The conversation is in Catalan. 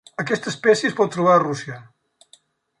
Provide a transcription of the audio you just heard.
Aquesta espècie es pot trobar a Rússia.